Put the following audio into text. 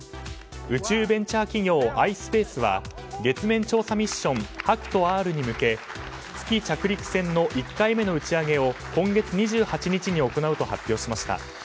宇宙ベンチャー企業アイスペースは月面調査ミッションＨＡＫＵＴＯ‐Ｒに向け月着陸船の１回目の打ち上げを今月２８日に行うと発表しました。